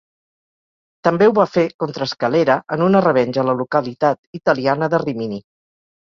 També ho va fer contra Escalera en una revenja a la localitat italiana de Rímini.